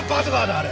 あれ。